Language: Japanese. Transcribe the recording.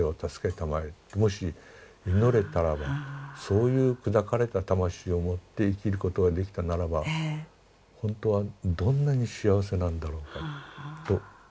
もし祈れたらばそういう砕かれた魂を持って生きることができたならばほんとはどんなに幸せなんだろうかと思いますよ。